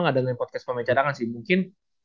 gak ada podcast pemain cadangan sih mungkin